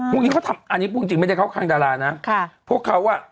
พวกนี้เขาทำอันนี้พูดจริงไม่ได้เข้าข้างดารานะค่ะพวกเขาอ่ะ